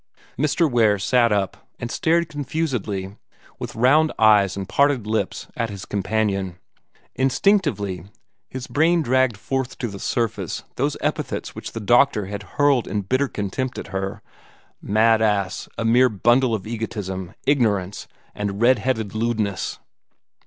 Mr. Ware sat up, and stared confusedly, with round eyes and parted lips, at his companion. Instinctively his brain dragged forth to the surface those epithets which the doctor had hurled in bitter contempt at her "mad ass, a mere bundle of egotism, ignorance, and red headed lewdness."